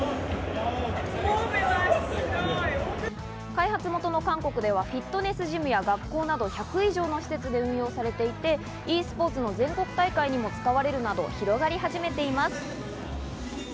開発元の韓国ではフィットネスジムや学校など１００以上の施設で運用されていて、ｅスポーツの全国大会にも使われるなど広がり始めています。